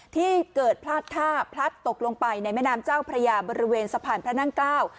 ที่เกิดพลาดท่าพลัดตกลงไปในแม่น้ำเจ้าพระยาบริเวณสะพานพระนั่งเกล้า